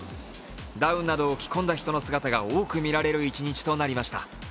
ダウンなどを着込んだ人の姿が多く見られる一日となりました。